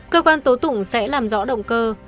cơ quan tố tụng sẽ làm rõ động cơ